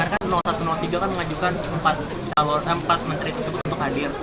kalau di jepang satu ratus tiga kan mengajukan empat menteri tersebut untuk hadir